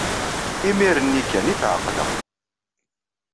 Imir-nni kan ay t-ɛeqleɣ.